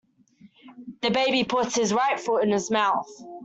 The baby puts his right foot in his mouth.